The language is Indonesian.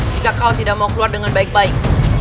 jika kau tidak mau keluar dengan baik baik